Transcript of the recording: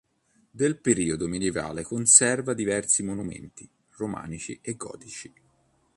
Del periodo medievale conserva diversi monumenti romanici e gotici.